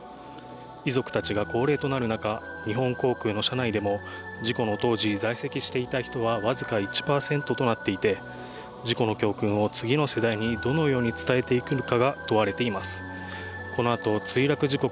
遺族たちが高齢となる中、日本航空の社内でも事故の当時、在籍していた人は僅か１％となっていて事故の教訓を次の世代にいつものビール何色ですか？